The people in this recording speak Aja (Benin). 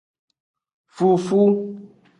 Fufu.